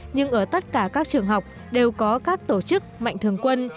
nhưng ở tất cả các trường học đều có các tổ chức mạnh thường quân